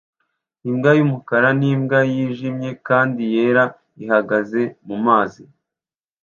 Imbwa y'umukara n'imbwa yijimye kandi yera ihagaze mumazi